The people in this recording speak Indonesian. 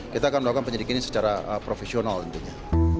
kita akan melakukan penyidikan ini secara profesional tentunya